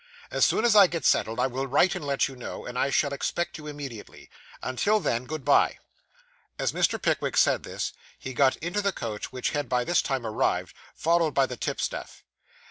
As soon as I get settled, I will write and let you know, and I shall expect you immediately. Until then, good bye.' As Mr. Pickwick said this, he got into the coach which had by this time arrived, followed by the tipstaff.